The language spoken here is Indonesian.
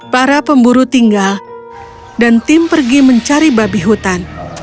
para pemburu tinggal dan tim pergi mencari babi hutan